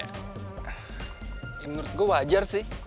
ya menurut gua wajar sih